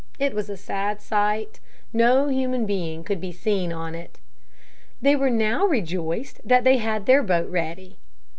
It was a sad sight. No human being could be seen on it. They were now rejoiced that they had their boat ready.